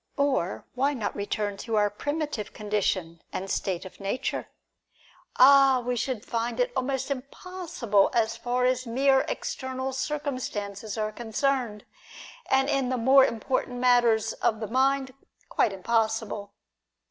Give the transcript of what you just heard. Or, why not return to our primitive condition, and state of nature ? Ah, we should find it almost impossible as far as mere external circumstances are concerned, and in the more important matters of the mind, quite impossible.